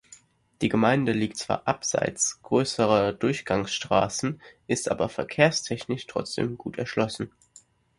Die Gemeinde liegt zwar abseits grösserer Durchgangsstrassen, ist aber verkehrstechnisch trotzdem gut erschlossen.